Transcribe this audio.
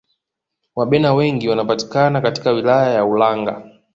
wabena wengi wanapatikana katika wilaya ya ulanga